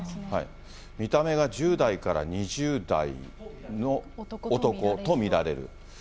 見た目が１０代から２０代の男と見られる。